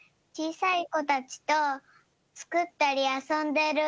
さいこたちとつくったりあそんでる。